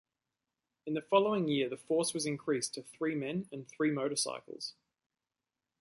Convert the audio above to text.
In the following year the force was increased to three men and three motorcycles.